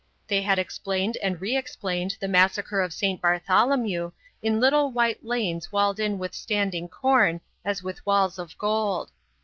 They had explained and re explained the Massacre of St. Bartholomew in little white lanes walled in with standing corn as with walls of gold.